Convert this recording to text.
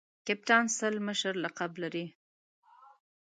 کپتان سل مشر لقب لري.